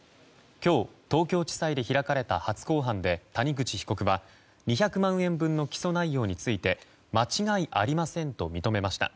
今日、東京地裁で開かれた初公判で谷口被告は２００万円分の起訴内容について間違いありませんと認めました。